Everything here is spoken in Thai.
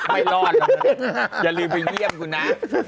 ไม่รอดอย่าลืมไปเยี่ยมกูนะ